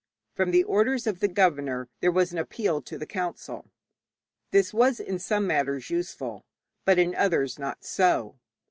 From the orders of the governor there was an appeal to the council. This was in some matters useful, but in others not so.